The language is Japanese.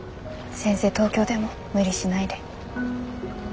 先生東京でも無理しないで。